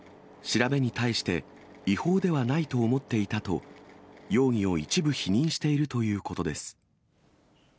調べに対して、違法ではないと思っていたと、容疑を一部否認しているというこ